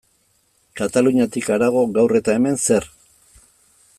Kataluniatik harago, gaur eta hemen, zer?